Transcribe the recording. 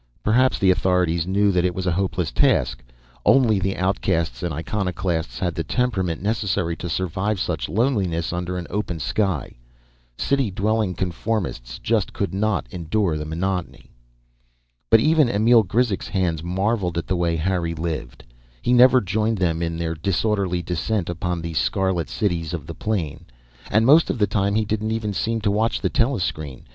Perhaps the authorities knew that it was a hopeless task; only the outcasts and iconoclasts had the temperament necessary to survive such loneliness under an open sky. City dwelling conformists just could not endure the monotony. But even Emil Grizek's hands marvelled at the way Harry lived. He never joined them in their disorderly descent upon the scarlet cities of the plain, and most of the time he didn't even seem to watch the telescreen.